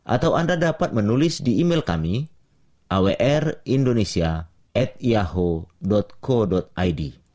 atau anda dapat menulis di email kami awrindonesia yahoo co id